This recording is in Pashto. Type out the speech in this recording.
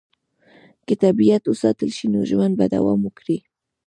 که طبیعت وساتل شي، نو ژوند به دوام وکړي.